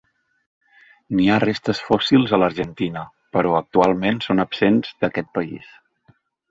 N'hi ha restes fòssils a l'Argentina però, actualment, són absents d'aquest país.